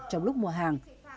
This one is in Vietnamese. trong lúc mua hàng